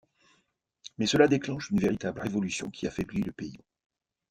Mais cela déclenche une véritable révolution qui affaiblit le pays.